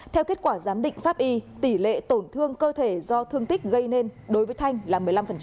theo kết quả giám định pháp y tỷ lệ tổn thương cơ thể do thương tích gây nên đối với thanh là một mươi năm